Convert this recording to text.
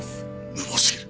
無謀すぎる。